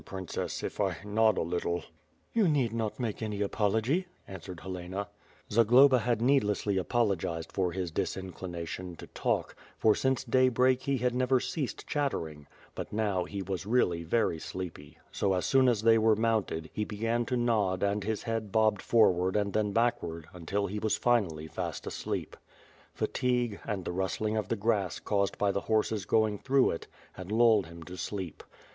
Princess, if T nod a little." "You need not make any apology," answered Helena. 246 ^ITH FIRE AND SWORD. Zagloba had needlessly apologized for his disinclination to talk, for since daybreak he had never ceased chattering; but now he was really very sleepy, so, as sobn as they were mounted, he began to nod and his head bobbed forward and then backward until he was finally fast asleep. Fatigue, and the rustling of the grass caused by the horses going through it, had lulled him to sleep.